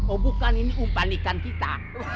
oh bukan ini umpan ikan kita